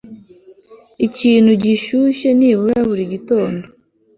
ikintu gishyushye nibura buri gitondo